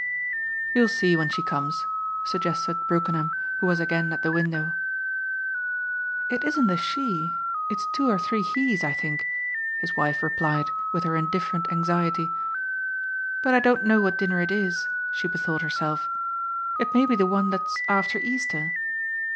"You'll see when she comes," suggested Brookenham, who was again at the window. "It isn't a she it's two or three he's, I think," his wife replied with her indifferent anxiety. "But I don't know what dinner it is," she bethought herself; "it may be the one that's after Easter.